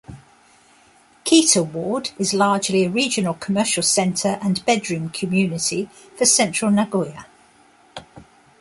Kita Ward is largely a regional commercial center and bedroom community for central Nagoya.